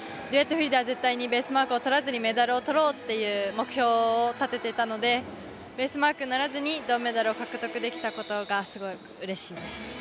フリーではベースマークをとらずにメダルをとろうという目標を掲げていたのでベースマークにならずに銅メダルを獲得できたことがすごいうれしいです。